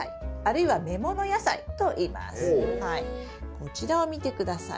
こちらを見て下さい。